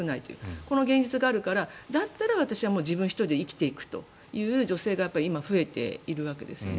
この現実があるからだったら自分１人で生きていくという女性が今増えているわけですよね。